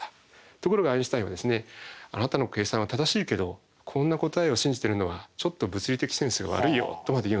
ところがアインシュタインは「あなたの計算は正しいけどこんな答えを信じてるのはちょっと物理的センスが悪いよ」とまで言うんでね。